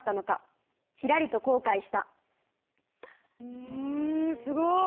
んすごい！